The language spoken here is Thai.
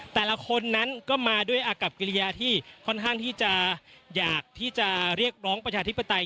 แต่ละคนนั้นก็มาด้วยอากับกิริยาที่ค่อนข้างที่จะอยากที่จะเรียกร้องประชาธิปไตย